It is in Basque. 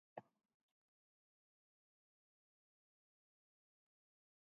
Enpresaren munduarekiko eta naturarekiko lotura handia izan du betidanik.